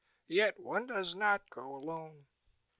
"Yet one does not go alone."